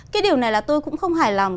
cái điều này là tôi cũng không hài lòng